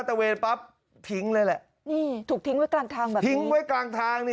ถึงไว้กลางทางเป็นแบบนี้เลยครับ